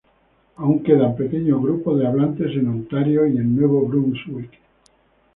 Aún quedan pequeños grupos de hablantes en Ontario y en Nuevo Brunswick.